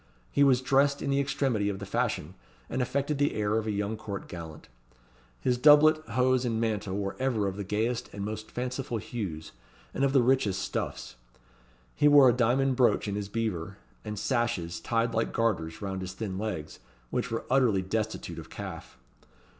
He was dressed in the extremity of the fashion, and affected the air of a young court gallant. His doublet, hose, and mantle were ever of the gayest and most fanciful hues, and of the richest stuffs; he wore a diamond brooch in his beaver, and sashes, tied like garters, round his thin legs, which were utterly destitute of calf.